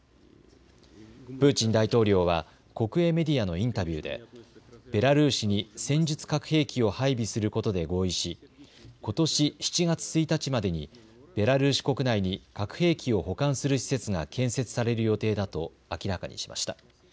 プーチン大統領は国営メディアのインタビューでベラルーシに戦術核兵器を配備することで合意しことし７月１日までにベラルーシ国内に核兵器を保管する施設が建設される予定だと明らかにしました。